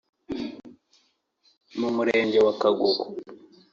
mu murenge wa Kagogo